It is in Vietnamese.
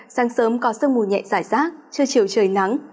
sáng sớm có sương mù nhẹ giải sát chưa chiều trời nắng